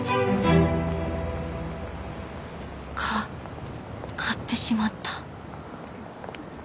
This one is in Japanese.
か買ってしまった